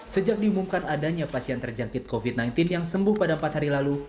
sejak diumumkan adanya pasien terjangkit covid sembilan belas yang sembuh pada empat hari lalu